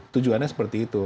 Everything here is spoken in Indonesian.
tujuannya seperti itu